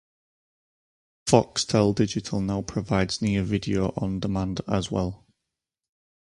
Foxtel Digital now provides Near Video on Demand as well.